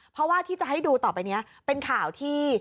เพราะว่าที่จะให้ดูต่อไปนี้เป็นข่าวที่